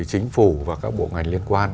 chính phủ và các bộ ngành liên quan